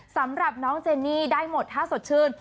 สำหรับน้องเจนี่ได้หมดถ้าสดชื่น